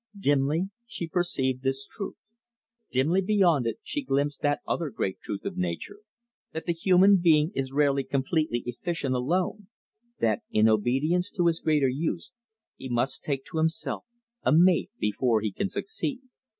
Dimly she perceived this truth. Dimly beyond it she glimpsed that other great truth of nature, that the human being is rarely completely efficient alone, that in obedience to his greater use he must take to himself a mate before he can succeed.